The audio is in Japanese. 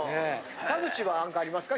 田渕は何かありますか？